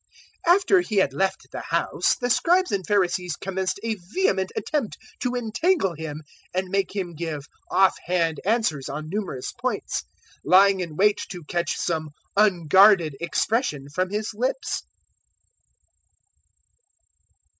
011:053 After He had left the house, the Scribes and Pharisees commenced a vehement attempt to entangle Him and make Him give off hand answers on numerous points, 011:054 lying in wait to catch some unguarded expression from His lips.